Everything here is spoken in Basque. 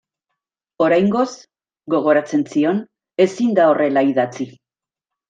Oraingoz, gogoratzen zion, ezin da horrela idatzi.